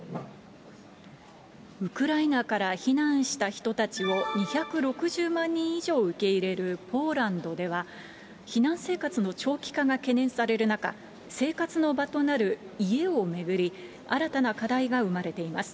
ウクライナから避難した人たちを２６０万人以上受け入れるポーランドでは、避難生活の長期化が懸念される中、生活の場となる家を巡り、新たな課題が生まれています。